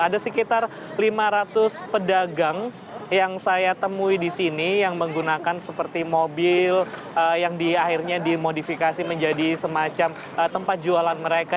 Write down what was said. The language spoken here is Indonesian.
ada sekitar lima ratus pedagang yang saya temui di sini yang menggunakan seperti mobil yang akhirnya dimodifikasi menjadi semacam tempat jualan mereka